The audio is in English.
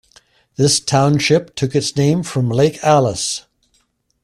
This township took its name from Lake Alice.